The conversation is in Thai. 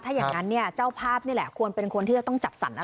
ถ้าอย่างนั้นเนี่ยเจ้าภาพนี่แหละควรเป็นคนที่จะต้องจัดสรรอะไร